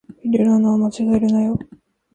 入れる穴を間違えるなよ